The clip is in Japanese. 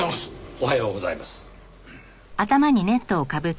おはようございます。